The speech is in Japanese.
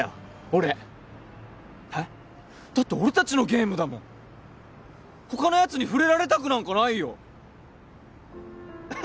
俺へっ？だって俺達のゲームだもん他のやつに触れられたくなんかないよ！